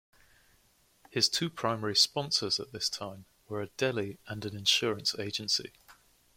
His two primary sponsors at this time were a deli and an insurance agency.